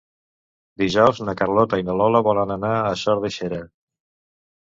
Dijous na Carlota i na Lola volen anar a Sot de Xera.